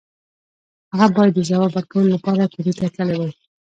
هغه بايد د ځواب ورکولو لپاره کوټې ته تللی وای.